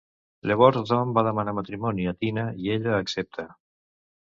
Llavors Dom va demanar matrimoni a Tina, i ella accepta.